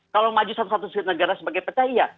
kalau maju satu satu segi negara sebagai peta iya